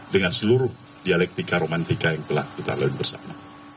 dengan seluruh dialektika romantika yang telah kita lalui bersama